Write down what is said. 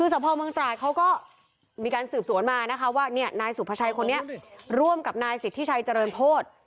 สะพาวเมืองตราดเขาก็มีการสืบสวนว่านายสุภาชัยคนนี้ร่วมกับนายสิทธิ์ชัยจริงโพธย์